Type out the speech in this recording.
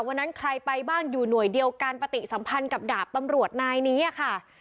วันนั้นใครไปบ้างอยู่หน่วยเดียวกันปฏิสัมพันธ์กับดาบตำรวจนายนี้ค่ะ